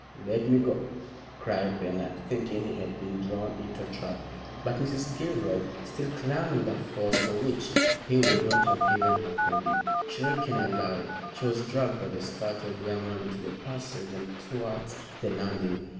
"Let me go," cried Bernard, thinking he had been drawn into a trap. But Mrs. Gilroy still clung with a force for which he would not have given her credit. Shrieking aloud she was dragged by the startled young man into the passage and towards the landing.